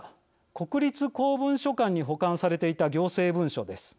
国立公文書館に保管されていた行政文書です。